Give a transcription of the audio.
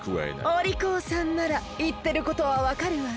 おりこうさんならいってることはわかるわね？